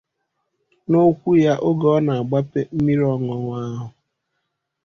N'okwu ya oge ọ na-agbape mmiri ọñụñụ ahụ